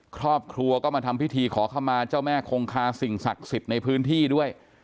ครอบครัวก็มาทำพิธีขอเข้ามาเจ้าแม่คงคาสิ่งศักดิ์สิทธิ์ในพื้นที่ด้วย